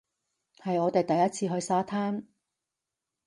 係我哋第一次去沙灘